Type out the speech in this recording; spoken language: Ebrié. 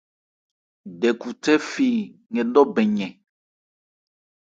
Dɛkhutɛ fi nkɛ nnɔ́ bɛn yɛn.